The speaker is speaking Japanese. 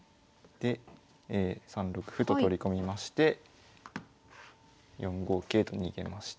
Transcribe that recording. で３六歩と取り込みまして４五桂と逃げました。